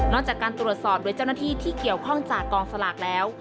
จากการตรวจสอบโดยเจ้าหน้าที่ที่เกี่ยวข้องจากกองสลากแล้ว